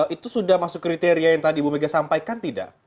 itu sudah masuk kriteria yang tadi ibu mega sampaikan tidak